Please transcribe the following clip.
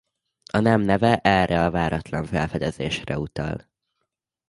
A nem neve erre a váratlan felfedezésre utal.